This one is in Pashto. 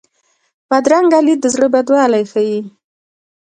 بدرنګه لید د زړه بدوالی ښيي